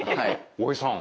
大江さん